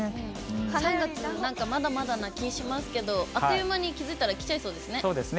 ３月、まだまだな気しますけど、あっという間に気が付いたら来ちゃいそうですね。